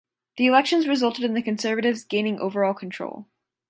The elections resulted in the Conservatives gaining overall control.